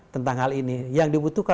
tentang hal ini yang dibutuhkan